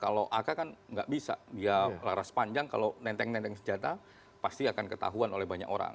kalau ak kan nggak bisa dia laras panjang kalau nenteng nenteng senjata pasti akan ketahuan oleh banyak orang